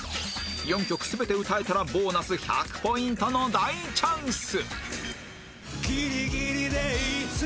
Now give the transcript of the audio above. ４曲全て歌えたらボーナス１００ポイントの大チャンス！